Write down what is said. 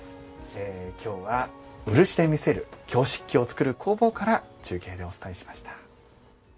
今日は漆で見せる京漆器を作る工房から中継でお伝えしました。